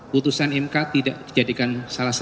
putusan mk tidak dijadikan salah satu